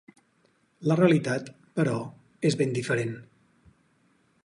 La realitat, però, és ben diferent.